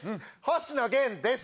星野源です。